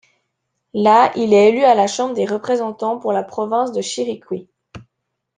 Là, il est élu à la Chambre des représentants pour la province de Chiriquí.